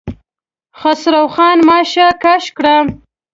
خسرو خان ماشه کش کړه.